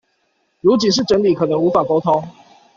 如僅是整理可能無法溝通